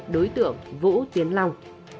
đối tượng vũ tiến long